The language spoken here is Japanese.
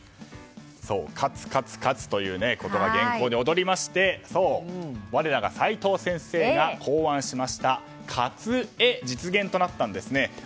かつ、かつ、かつという言葉が原稿に踊りまして我らが齋藤先生が考案しました「かつエ」実現となったんです。